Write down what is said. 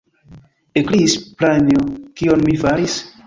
ekkriis Pranjo: kion mi faris?